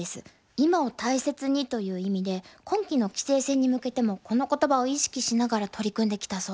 「今を大切に」という意味で今期の棋聖戦に向けてもこの言葉を意識しながら取り組んできたそうです。